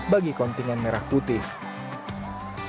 di kontingan merah putih